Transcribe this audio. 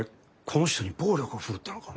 この人に暴力を振るったのか？